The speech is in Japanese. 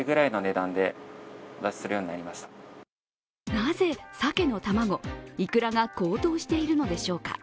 なぜ、さけの卵、いくらが高騰しているのでしょうか。